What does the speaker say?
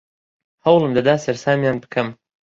هەوڵم دەدا سەرسامیان بکەم.